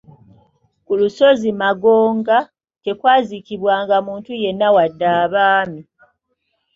Ku lusozi Magonga tekwaziikibwanga muntu yenna wadde abaami .